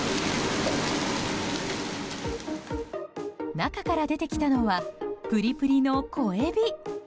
中から出てきたのはぷりぷりの小エビ。